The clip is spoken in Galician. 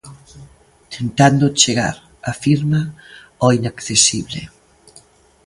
Tentando chegar, afirma, ao inaccesible.